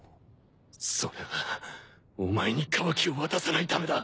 それはお前にカワキを渡さないためだ。